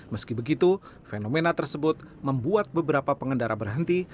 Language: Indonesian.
meski begitu fenomena tersebut membuat beberapa pengendara berhenti